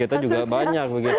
kita juga banyak begitu